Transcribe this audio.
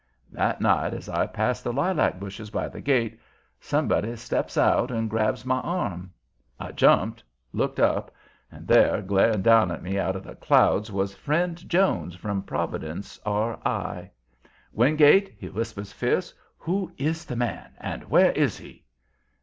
That night as I passed the lilac bushes by the gate, somebody steps out and grabs my arm. I jumped, looked up, and there, glaring down at me out of the clouds, was friend Jones from Providence, R. I. "Wingate," he whispers, fierce, "who is the man? And where is he?"